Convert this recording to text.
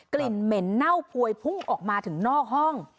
กลิ่นเหม็นเน่าพวยพุ่งออกมาถึงนอกห้อง